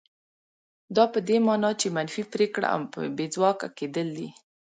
دا په دې مانا چې منفي پرېکړه او بې ځواکه کېدل دي.